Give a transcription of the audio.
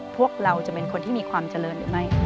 พวกเราจะเป็นคนที่มีความเจริญหรือไม่